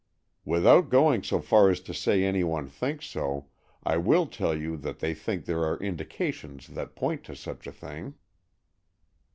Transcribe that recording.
"Without going so far as to say any one thinks so, I will tell you that they think there are indications that point to such a thing."